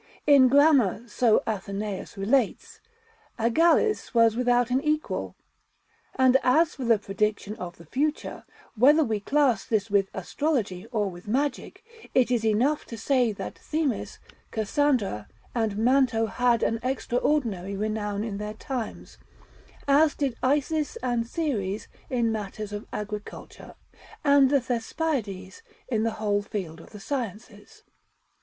In grammar, so Athenæus relates, Agallis was without an equal. And as for the prediction of the future, whether we class this with astrology or with magic, it is enough to say that Themis, Cassandra, and Manto had an extraordinary renown in their times; as did Isis and Ceres in matters of agriculture, and the Thespiades in the whole field of the sciences.